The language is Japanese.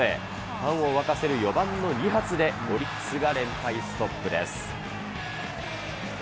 ファンを沸かせる４番の２発で、オリックスが連敗ストップです。